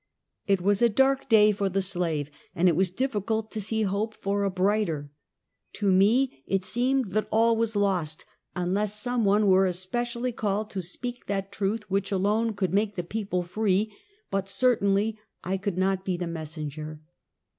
It was a dark day for the slave, and it was difficult to see hope for a brighter. To me, it seemed that all was lost, unless some one were espe cially called to speak that truth, which alone could make the people free, but certainly I could not be the messenger.